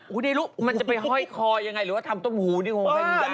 ไข่มุกมันจะไปห้อยคอยยังไงหรือว่าทำต้มหูที่คงไม่มีด้าน